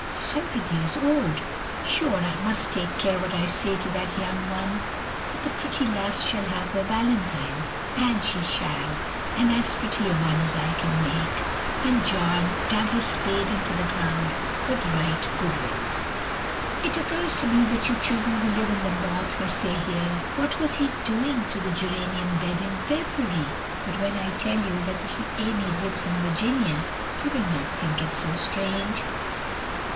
"A hundred years old! Sure I must take care what I say to that young one. But the pretty lass shall have her valentine, that she shall, and as pretty a one as I can make!" and John dug his spade into the ground with right good will. (It occurs to me that you children who live in the North may say here, "What was he doing to the geranium bed in February?" but when I tell you that little Amy lives in Virginia, you will not think it so strange.)